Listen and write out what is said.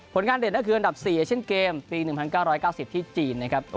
งานเด่นก็คืออันดับ๔เช่นเกมปี๑๙๙๐ที่จีนนะครับ